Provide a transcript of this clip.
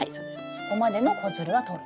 そこまでの子づるはとる。